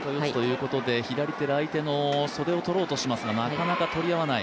左手で相手の袖をとろうとしますがなかなか取り合わない。